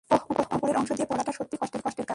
ওহ, ওপরের অংশ দিয়ে পরিশ্রম করাটা সত্যিই কষ্টের কাজ।